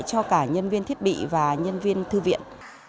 cho cả nhân viên thiết bị và nhân viên thư viện